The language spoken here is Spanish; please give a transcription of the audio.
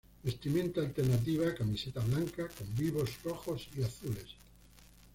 Vestimenta Alternativa: Camiseta blanca con vivos rojos y azules.